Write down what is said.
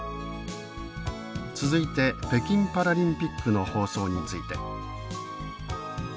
続いて北京パラリンピックの放送について。